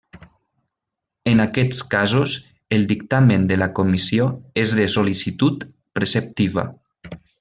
En aquests casos, el dictamen de la Comissió és de sol·licitud preceptiva.